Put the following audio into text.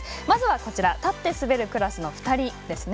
まず立って滑るクラスの２人。